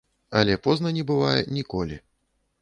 Але позна не бывае ніколі.